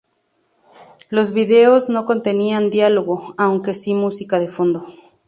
Los vídeos no contenían diálogo, aunque sí música de fondo.